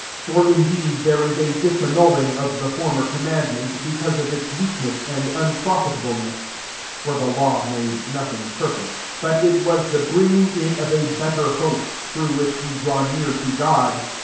18 For indeed there is a d» annulling of the former com mandment, because of its west ness and unprofitableness; 19 (for the law made nothing per fect ;) but it wait the bringing in of a better hope, thix>ugh which we draw near to God.